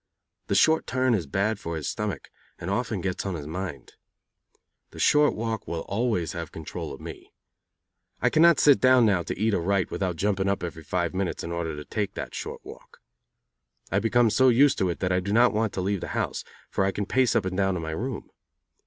The short turn is bad for his stomach, and often gets on his mind. That short walk will always have control of me. I cannot sit down now to eat or write, without jumping up every five minutes in order to take that short walk. I have become so used to it that I do not want to leave the house, for I can pace up and down in my room.